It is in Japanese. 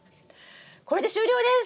これで終了です！